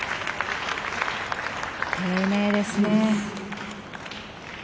丁寧ですね。